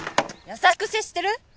優しく接してる！？